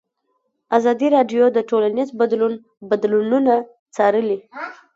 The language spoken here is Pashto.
ازادي راډیو د ټولنیز بدلون بدلونونه څارلي.